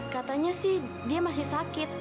katanya sih dia masih sakit